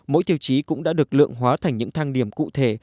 mỗi tiêu chí cũng đã được lượng hóa thành những thang điểm cụ thể